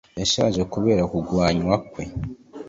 Yashaje kubera ukurwanywa kwe